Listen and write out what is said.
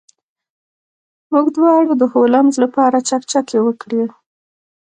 موږ دواړو د هولمز لپاره چکچکې وکړې.